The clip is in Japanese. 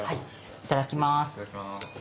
いただきます。